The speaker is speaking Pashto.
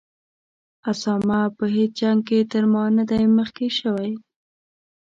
اسامه په هیڅ جنګ کې تر ما نه دی مخکې شوی.